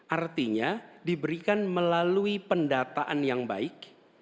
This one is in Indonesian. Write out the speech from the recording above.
artinya diberikan melalui pendataan yang baik